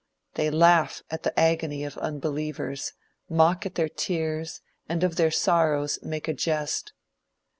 They laugh at the agony of unbelievers, mock at their tears, and of their sorrows make a jest.